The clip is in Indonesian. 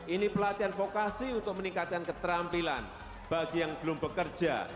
ini pelatihan vokasi untuk meningkatkan keterampilan bagi yang belum bekerja